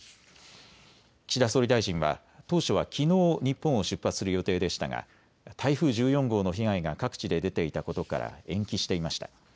岸田総理大臣は当初はきのう日本を出発する予定でしたが台風１４号の被害が各地で出ていたことから延期していました。